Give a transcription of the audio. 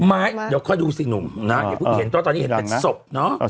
ไม้เดี๋ยวค่อยดูสิหนุ่มอย่าพูดเห็นตอนนี้เห็นอัดศพเนาะ